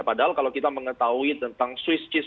padahal kalau kita mengetahui tentang swiss cheese